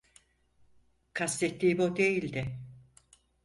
Kastettiğim o değildi.